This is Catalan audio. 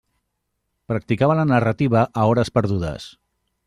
Practicava la narrativa a hores perdudes.